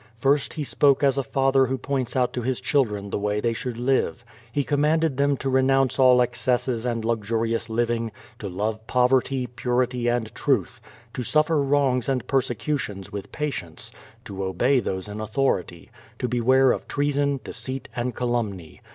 First he spoke as a father who points out to his children the way they should live. He commanded them to renounce all excesses and luxuriotis liv ing, to love poverty, purity and truth; to suffer wrongs and persecutions with patience; to obey those in authority; to be ware of treason^ deceit and calumny.